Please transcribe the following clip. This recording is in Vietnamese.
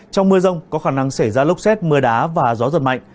trong mưa rông có khả năng xảy ra lốc xét mưa đá và gió giật mạnh